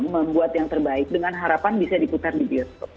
membuat yang terbaik dengan harapan bisa diputar di bioskop